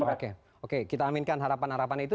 oke oke kita aminkan harapan harapan itu